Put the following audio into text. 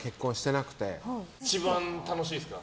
一番楽しいですか？